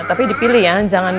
tapi dipilih ya